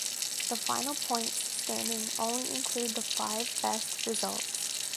The final points standings only include the five best results.